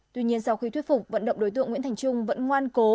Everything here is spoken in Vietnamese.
tuy nhiên sau khi thuyết phục vận động đối tượng nguyễn thành trung vẫn ngoan cố